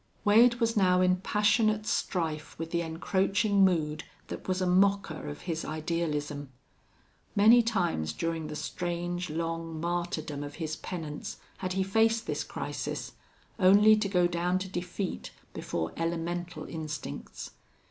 Wade was now in passionate strife with the encroaching mood that was a mocker of his idealism. Many times during the strange, long martyrdom of his penance had he faced this crisis, only to go down to defeat before elemental instincts.